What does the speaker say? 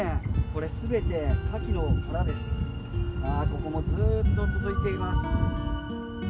ここもずーっと続いています。